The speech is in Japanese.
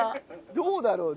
どうだろうね？